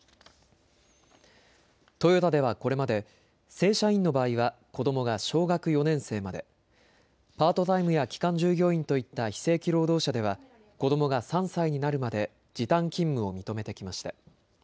トヨタではこれまで正社員の場合は子どもが小学４年生まで、パートタイムや期間従業員といった非正規労働者では子どもが３歳になるまで時短勤務を認めてきました。